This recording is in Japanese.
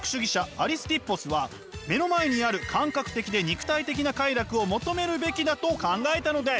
アリスティッポスは目の前にある感覚的で肉体的な快楽を求めるべきだと考えたのです。